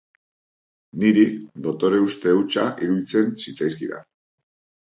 Niri dotore-uste hutsa iruditzen zitzaizkidan.